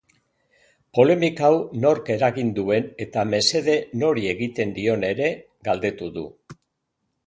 Polemika hau nork eragin duen eta mesede nori egiten dion ere galdetu du.